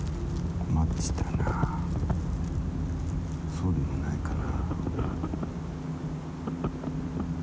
そうでもないかな。